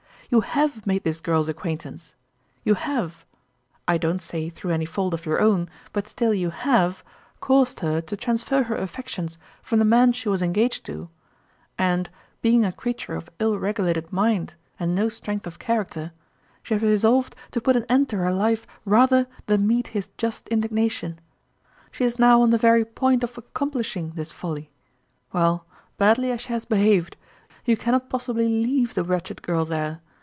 You have made this girl's acquaintance ; you have I don't say through any fault of your own, but 139 still you have caused her to transfer her affections from the man she was engaged to, and, being a creature of ill regulated mind and no strength of character, she has resolved to put an end to her life rather than meet his just indignation. She is now on the very point of accomplishing this folly. Well, badly as she has behaved, you can not possibly leave the wretched girl there